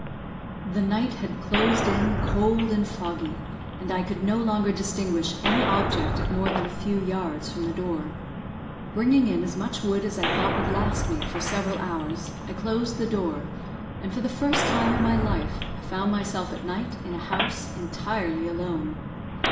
The night had closed in cold and foggy, and I could no longer distinguish any object at more than a few yards from the door. Bringing in as much wood as I thought would last me for several hours, I closed the door; and for the first time in my life I found myself at night in a house entirely alone.